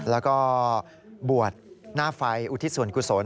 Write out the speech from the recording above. แล้วก็บวชหน้าไฟอุทิศส่วนกุศล